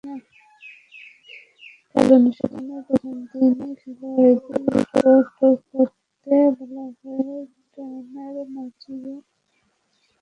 কাল অনুশীলনের প্রথম দিনেই খেলোয়াড়দের রিপোর্ট করতে বলা হয়েছে ট্রেনার মারিও ভিল্লাভারায়ানের কাছে।